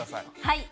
はい！